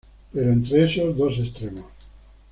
Pero entre esos dos extremos.